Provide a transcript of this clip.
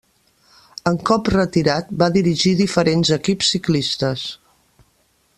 En cop retirat va dirigir diferents equips ciclistes.